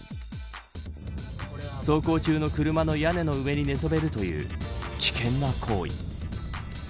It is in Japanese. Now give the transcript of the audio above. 走行中の車の屋根の上に寝そべるという危険な行為。